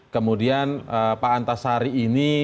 kemudian pak antasari ini